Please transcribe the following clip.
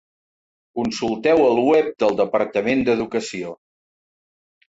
Consulteu el web del Departament d'Educació.